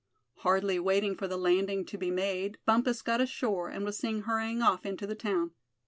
Hardly waiting for the landing to be made, Bumpus got ashore, and was seen hurrying off into the town.